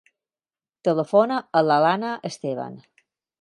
Telefona a l'Alana Esteban.